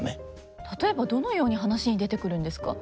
例えばどのように話に出てくるんですか。